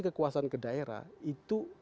kekuasaan ke daerah itu